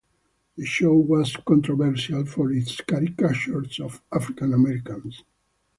The show was controversial for its caricatures of African Americans.